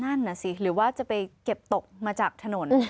นั่นน่ะสิหรือว่าจะไปเก็บตกมาจากถนน